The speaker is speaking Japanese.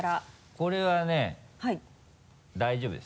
これはね大丈夫です。